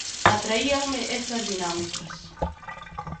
Atraíanme estas dinámicas.